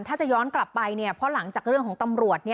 ถ้าจะย้อนกลับไปเพราะหลังจากเรื่องของตำรวจ